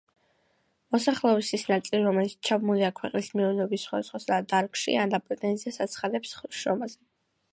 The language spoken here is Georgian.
მოსახლეობის ის ნაწილი, რომელიც ჩაბმულია ქვეყნის მეურნეობის სხვადასხვა დარგში, ანდა პრეტენზიას აცხადებს შრომაზე.